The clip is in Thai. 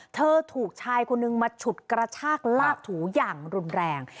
ถูกชายคนนึงมาฉุดกระชากลากถูอย่างรุนแรง